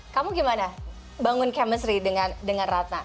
kamu gimana bangun chemistry dengan ratna